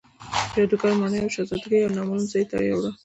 جادوګر ماڼۍ او شهزادګۍ یو نامعلوم ځای ته یووړل.